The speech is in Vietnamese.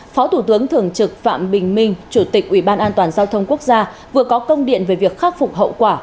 phó thủ tướng thường trực phạm bình minh chủ tịch uban giao thông quốc gia vừa có công điện về việc khắc phục hậu quả